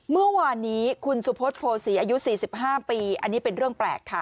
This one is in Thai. เมื่อวานนี้คุณสุพธโภษีอายุ๔๕ปีอันนี้เป็นเรื่องแปลกค่ะ